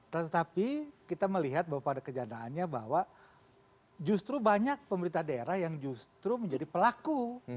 tetapi kita melihat bahwa pada kejadahannya bahwa justru banyak pemerintah daerah yang justru menjadi pelaku